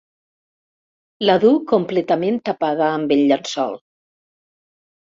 La du completament tapada amb el llençol.